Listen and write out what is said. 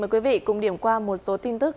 mời quý vị cùng điểm qua một số tin tức